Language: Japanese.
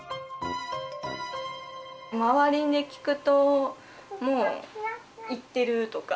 周りに聞くともう行ってるとか。